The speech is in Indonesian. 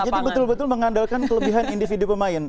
jadi betul betul mengandalkan kelebihan individu pemain